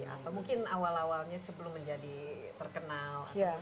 atau mungkin awal awalnya sebelum menjadi terkenal